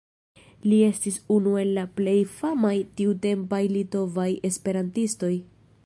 Li estis unu el la plej famaj tiutempaj litovaj esperantistoj.